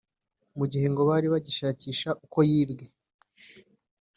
Mu gihe ngo bari bagishakisha uko yibwe